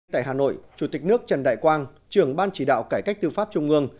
tại hà nội chủ tịch nước trần đại quang trưởng ban chỉ đạo cải cách tư pháp trung ương